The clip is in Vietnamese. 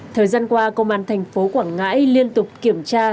thời gian qua công an tp quảng ngãi liên tục kiểm tra